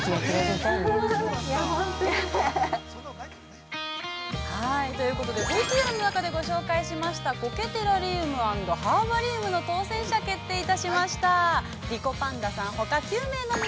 ◆さあということでＶＴＲの中でご紹介しました「苔テラリウム＆ハーバリウム」の当せん者が決定いたしました。